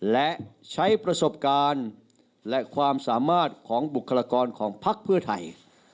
และใช้ประสบการณ์และความสามารถของบุคลากรของภักดิ์เพื่อไทย